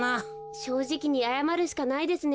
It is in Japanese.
しょうじきにあやまるしかないですね。